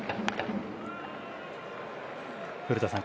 古田さん